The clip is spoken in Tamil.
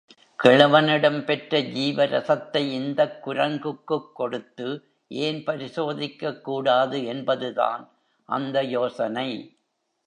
கிழவனிடம் பெற்ற ஜீவரசத்தை இந்தக் குரங்குக்குக் கொடுத்து ஏன் பரிசோதிக்கக் கூடாது என்பதுதான் அந்த யோசனை.